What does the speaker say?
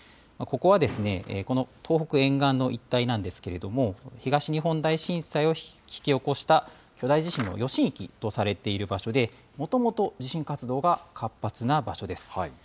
ここはですね、この東北沿岸の一帯なんですけれども、東日本大震災を引き起こした巨大地震の余震域とされている場所で、もともと地震活動が活発な場所です。